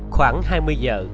khoảng hai mươi giờ